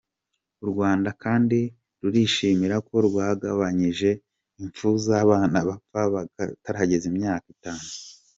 U Rwanda kandi rurishimira ko rwagabanyije imfu z’abana bapfa batarageza imyaka itanu.